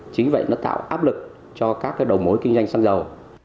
chính vậy nó tạo áp lực cho các cái đầu mối kinh doanh xăng dầu